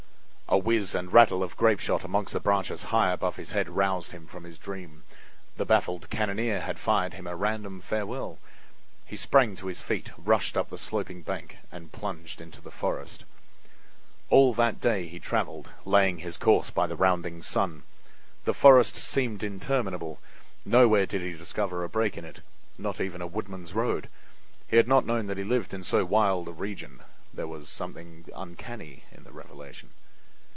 A whiz and a rattle of grapeshot among the branches high above his head roused him from his dream. The baffled cannoneer had fired him a random farewell. He sprang to his feet, rushed up the sloping bank, and plunged into the forest. All that day he traveled, laying his course by the rounding sun. The forest seemed interminable; nowhere did he discover a break in it, not even a woodman's road. He had not known that he lived in so wild a region. There was something uncanny in the revelation.